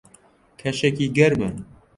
کەشێکی گەرمە.